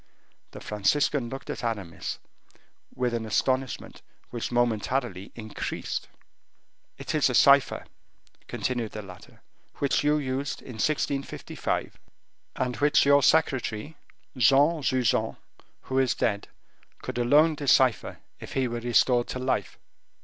The Franciscan looked at Aramis with an astonishment which momentarily increased. "It is a cipher," continued the latter, "which you used in 1655, and which your secretary, Juan Jujan, who is dead, could alone decipher, if he were restored to life."